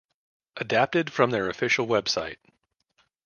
Adapted from their official website.